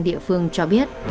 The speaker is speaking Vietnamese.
địa phương cho biết